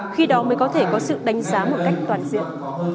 khi đó mới có thể có sự đánh giá một cách toàn diện